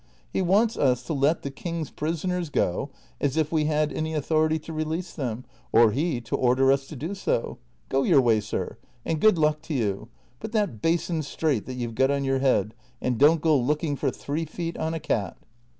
He wants us to let the king's prisoners go, as if we had any authority to release them, or he to order us to do so ! Go yoiir way, sir, aiul good luck to you ; put that basin straight that you've got on your head, and don't go looking for three feet on a cat."